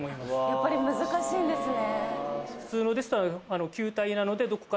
やっぱり難しいんですね。